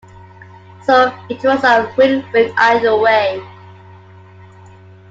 So it was a win-win either way.